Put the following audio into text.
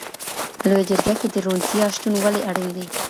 لویه جرګه کي د روڼتیا شتون ولي اړین دی؟